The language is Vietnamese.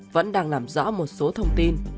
vẫn đang làm rõ một số thông tin